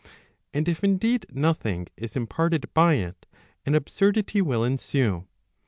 And if indeed nothing is imparted by it an absurdity will ensue.